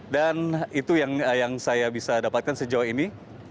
dan itu yang saya bisa dapatkan sejauh ini